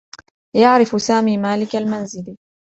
يعرف سامي مالك المنزل.